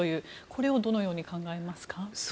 これをどのように考えますか？